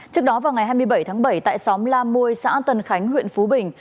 trước đó vào ngày hai mươi bảy tháng bảy tại xóm la muôi xã tân khánh huyện phú bình